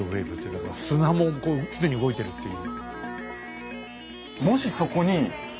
だから砂もこう常に動いてるっていう。